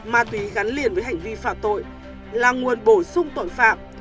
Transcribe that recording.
ma túy gắn liền với hành vi phạm tội là nguồn bổ sung tội phạm